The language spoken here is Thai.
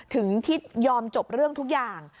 ถึงที่ยอมจบเรื่องทุกอย่าง